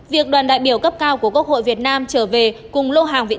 việc đoàn đại biểu cấp cao của quốc hội việt nam trở về cùng lô hàng viện